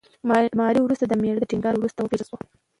ماري وروسته د مېړه د ټینګار وروسته وپېژندل شوه.